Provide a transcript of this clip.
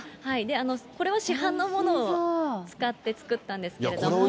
これは市販のものを使って作ったんですけれども。